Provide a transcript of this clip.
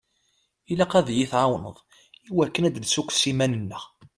Ilaq ad yi-tɛawneḍ i wakken ad d-nessukkes iman-nneɣ.